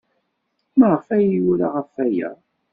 Maɣef ay yura ɣef waya?